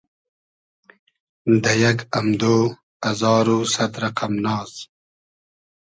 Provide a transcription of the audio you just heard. دۂ یئگ امدۉ ازار و سئد رئقئم ناز